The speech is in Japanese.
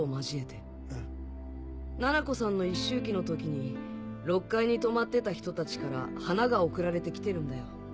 ななこさんの一周忌の時に６階に泊まってた人たちから花が送られて来てるんだよ。